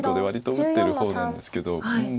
割と打ってる方なんですけど。